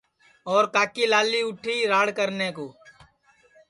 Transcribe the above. اور کاکلی لالی اُٹھی راڑ کرنے کُو